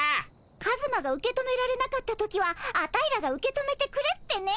カズマが受け止められなかった時はアタイらが受け止めてくれってね。